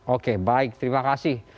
oke baik terima kasih